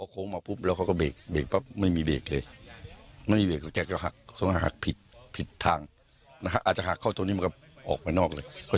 ที่เขาขับลงมาเนี่ยเขาใช้เกียร์อะไรครับผม